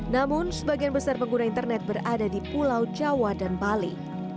namun sebagian besar pengguna internet berada di pulau jawa dan bali